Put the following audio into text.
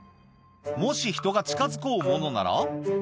もし人が近づこうものならば。